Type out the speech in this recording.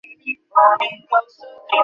কী নিয়ে এতো গ্যাঞ্জাম?